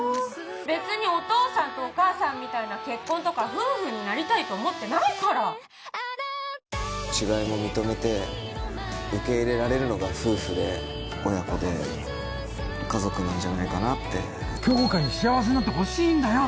べつにお父さんとお母さんみたいな結婚とか夫婦になりたいと思ってないから違いも認めて受け入れられるのが夫婦で親子で家族なんじゃないかなって杏花に幸せになってほしいんだよ